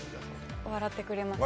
笑ってくれます。